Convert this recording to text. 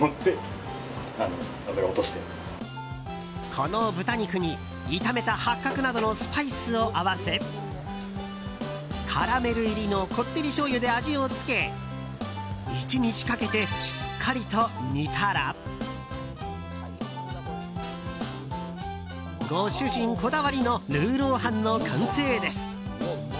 この豚肉に炒めた八角などのスパイスを合わせカラメル入りのこってりしょうゆで味をつけ１日かけてしっかりと煮たらご主人こだわりのルーロー飯の完成です。